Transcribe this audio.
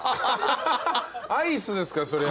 アイスですからそりゃ。